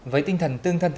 với tinh thần tương thân